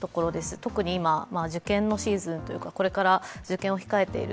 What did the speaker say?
特に今、受験のシーズンというか、これから受験を控えている